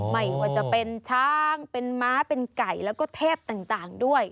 ไม่ว่าจะเป็นช้างเป็นม้าเป็นไก่แล้วก็เทพต่างด้วย